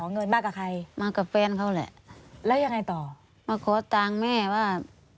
เงินมากกับใครมากับแฟนเขาแหละแล้วยังไงต่อมาขอตังค์แม่ว่า